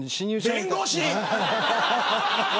弁護士。